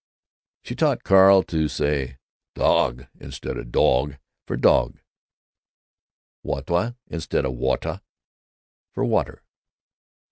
She taught Carl to say "dahg" instead of "dawg" for "dog"; "wawta" instead of "wotter" for "water."